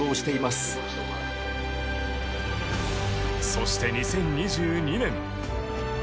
そして２０２２年。